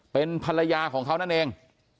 เป็นภรรยาของเขานั่นเอง